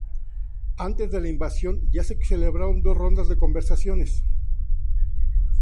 Antes de la invasión, ya se celebraron dos rondas de conversaciones.